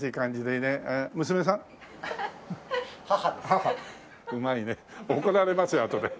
母うまいね。怒られますよあとで。